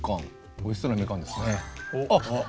おいしそうなみかんですね。